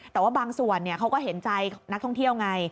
แต่ว่าบางส่วนเขาก็เห็นใจนักท่องเที่ยวไง